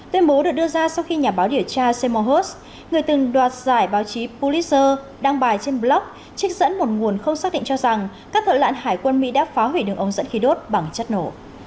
tuyên bố được đưa ra sau khi nhà báo điều tra semohos người từng đoạt giải báo chí puliser đăng bài trên blog trích dẫn một nguồn không xác định cho rằng các thợ lặn hải quân mỹ đã phá hủy đường ống dẫn khí đốt bằng chất nổ